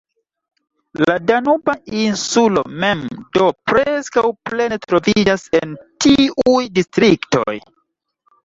La Danuba Insulo mem do preskaŭ plene troviĝas en tiuj distriktoj.